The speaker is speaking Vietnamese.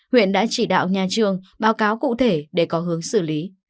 huyện đã chỉ đạo nhà trường báo cáo cụ thể để có hướng xử lý